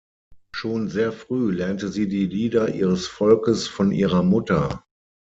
Schon sehr früh lernte sie die Lieder ihres Volkes von ihrer Mutter.